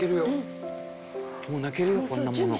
もう泣けるよこんなもの。